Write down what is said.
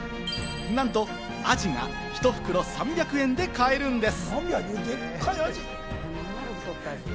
なんとアジが１袋３００円で買えるんです。